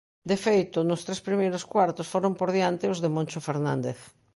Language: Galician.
De feito, nos tres primeiros cuartos foron por diante os de Moncho Fernández.